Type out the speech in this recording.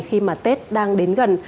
khi mà tết đang đến gần